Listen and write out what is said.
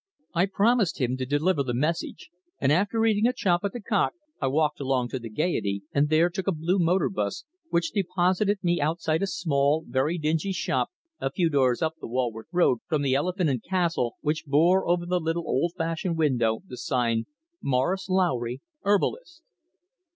I promised him to deliver the message, and after eating a chop at the Cock, I walked along to the Gaiety and there took a blue motor bus, which deposited me outside a small, very dingy shop, a few doors up the Walworth Road from the Elephant and Castle, which bore over the little, old fashioned window the sign, "Morris Lowry, Herbalist."